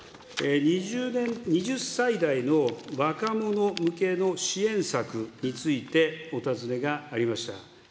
２０歳代の若者向けの支援策について、お尋ねがありました。